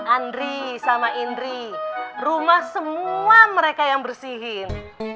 andri sama indri rumah semua mereka yang bersihin